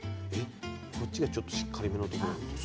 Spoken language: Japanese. こっちがちょっとしっかりめのところがあるから